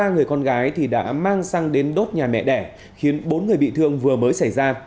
ba người con gái thì đã mang xăng đến đốt nhà mẹ đẻ khiến bốn người bị thương vừa mới xảy ra